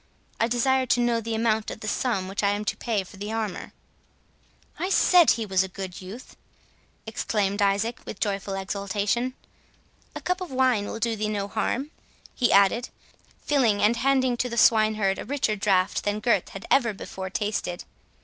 I desire to know the amount of the sum which I am to pay for the armour." "I said he was a good youth!" exclaimed Isaac with joyful exultation. "A cup of wine will do thee no harm," he added, filling and handing to the swineherd a richer drought than Gurth had ever before tasted.